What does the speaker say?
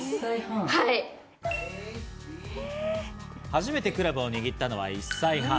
初めてクラブを握ったのは１歳半。